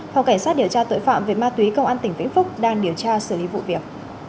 học cảnh sát điều tra tội phạm về ma túy công an tp hương yên đang điều tra xử lý vụ việc